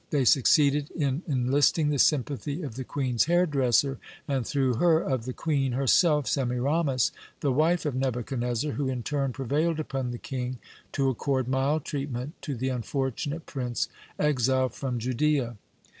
They succeeded in enlisting the sympathy of the queen's hairdresser, and through her of the queen herself, Semiramis, the wife of Nebuchadnezzar, who in turn prevailed upon the king to accord mild treatment to the unfortunate prince exiled from Judea.